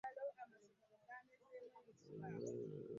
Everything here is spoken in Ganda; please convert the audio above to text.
Kato Ronald yannyonnyodde nti Bisoopu Kaggwa yabawa ente z'amata ez'olulyo